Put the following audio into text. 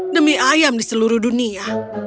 demi ayam di seluruh dunia